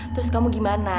terus kamu gimana